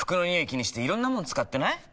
気にしていろんなもの使ってない？